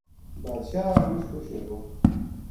بادشاہ مُچ خوش ہویو